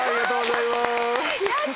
やった！